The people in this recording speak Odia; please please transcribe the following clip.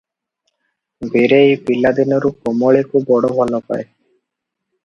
ବୀରେଇ ପିଲା ଦିନରୁ କମଳୀକୁ ବଡ ଭଲ ପାଏ ।